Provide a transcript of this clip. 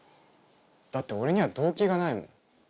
だって俺には動機がないもん。